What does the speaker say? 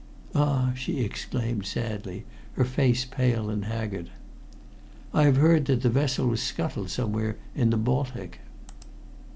"Ah!" she exclaimed sadly, her face pale and haggard. "I have heard that the vessel was scuttled somewhere in the Baltic."